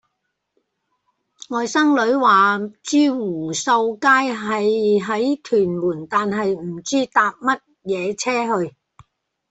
外甥女話知湖秀街係喺屯門但係唔知搭咩野車去